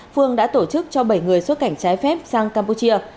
phương đã tổ chức cho bảy người xuất cảnh trái phép sang campuchia